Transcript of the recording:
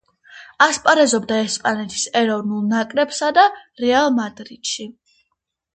ასპარეზობდა ესპანეთის ეროვნულ ნაკრებსა და „რეალ მადრიდში“.